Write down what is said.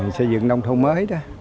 xây dựng nông thôn mới đó